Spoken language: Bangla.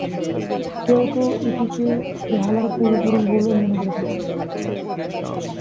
কেউ কেউ এটিকে বেহালার পূর্বপুরুষ বলেও মনে করে থাকেন।